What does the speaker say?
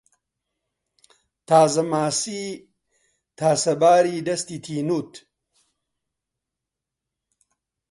تازەماسیی تاسەباری دەستی تینووت